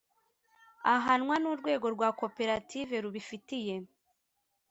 ahanwa n urwego rwa Koperative rubifitiye